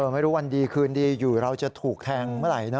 ไม่รู้วันดีคืนดีอยู่เราจะถูกแทงเมื่อไหร่นะ